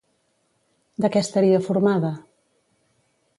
De què estaria formada?